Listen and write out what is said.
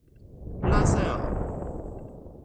拉塞尔。